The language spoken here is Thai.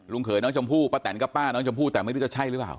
เขยน้องชมพู่ป้าแตนกับป้าน้องชมพู่แต่ไม่รู้จะใช่หรือเปล่า